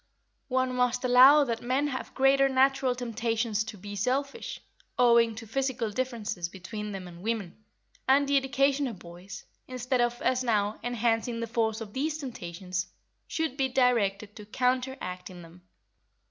One must allow that men have greater natural temptations to be selfish, owing to physical differences between them and women, and the education of boys, instead of, as now, enhancing the force of these temptations, should be directed to counteracting them.